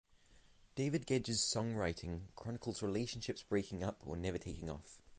David Gedge's songwriting chronicles relationships breaking up or never taking off.